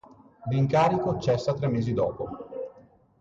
L'incarico cessa tre mesi dopo.